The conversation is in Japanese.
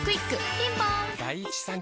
ピンポーン